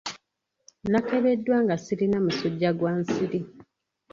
Nnakebeddwa nga sirina musujja gwa nsiri.